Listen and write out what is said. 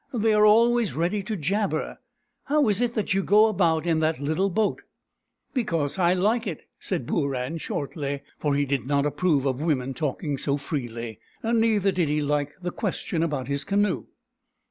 " They are always ready to jabber. How is it that you go about in that little boat ?"" Because I like it," said Booran shortly, for he did not approve of women talking so freely, neither did he like the question about his canoe.